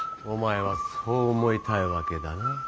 お前はそう思いたいだけだな。